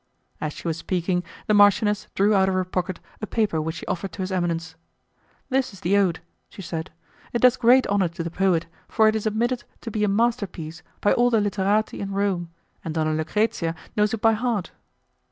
As she was speaking, the marchioness drew out of her pocket a paper which she offered to his eminence. "This is the ode," she said, "it does great honour to the poet, for it is admitted to be a masterpiece by all the literati in Rome, and Donna Lucrezia knows it by heart."